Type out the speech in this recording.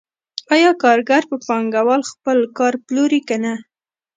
آیا کارګر په پانګوال خپل کار پلوري که نه